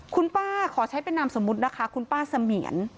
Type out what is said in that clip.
คุณป้าขอใช้เป็นนามสมมุตินะคะคุณป้าเสมียน